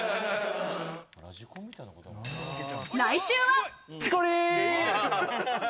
来週は。